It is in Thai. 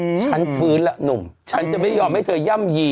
ฉันฟื้นละหนุ่มฉันจะไม่ยอมให้เธอย่ำยี